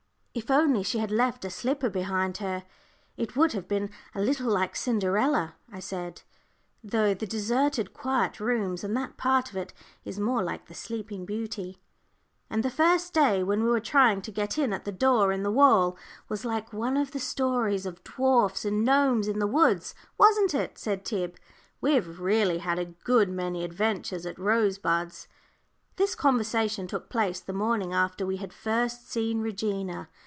"If only she had left a slipper behind her, it would have been a little like Cinderella," I said; "though the deserted, quiet rooms, and that part of it, is more like the Sleeping Beauty." "And the first day, when we were trying to get in at the door in the wall, was like one of the stories of dwarfs and gnomes in the woods, wasn't it?" said Tib. "We've really had a good many adventures at Rosebuds." This conversation took place the morning after we had first seen Regina.